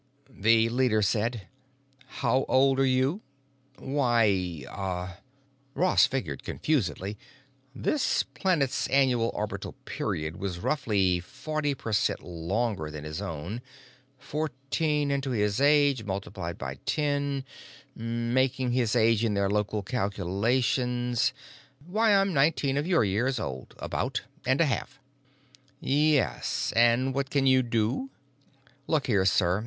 The leader said, "How old are you?" "Why, uh——" Ross figured confusedly: this planet's annual orbital period was roughly forty per cent longer than his own; fourteen into his age, multiplied by ten, making his age in their local calculations.... "Why, I'm nineteen of your years old, about. And a half." "Yes. And what can you do?" "Look here, sir.